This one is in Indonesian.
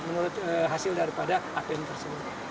menurut hasil daripada apm tersebut